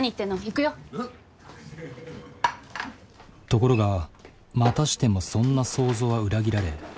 ところがまたしてもそんな想像は裏切られ。